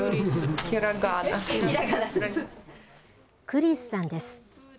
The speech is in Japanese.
クリスさんです。